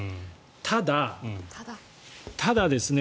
ただ、ただですね